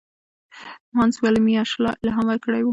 هانس وویل میشایلا الهام ورکړی و.